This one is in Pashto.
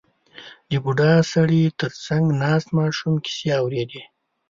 • د بوډا سړي تر څنګ ناست ماشوم کیسې اورېدې.